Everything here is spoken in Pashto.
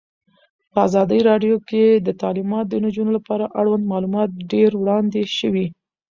په ازادي راډیو کې د تعلیمات د نجونو لپاره اړوند معلومات ډېر وړاندې شوي.